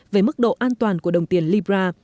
về mức độ an toàn của đồng tiền libra